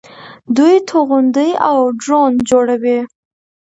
دوی توغندي او ډرون جوړوي.